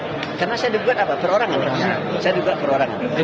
ya karena saya digugat apa perorangan saya digugat perorangan